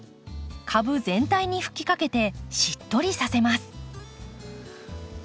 株全体に吹きかけてしっとりさせます。